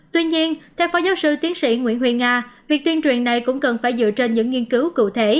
tuy nhiên theo phó giáo sư tiến sĩ nguyễn huyền nga việc tuyên truyền này cũng cần phải dựa trên những nghiên cứu cụ thể